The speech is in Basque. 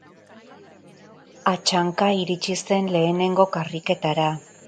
Hatsanka iritsi zen lehenengo karriketara.